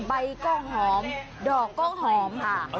ใบก็หอมดอกก็หอมค่ะ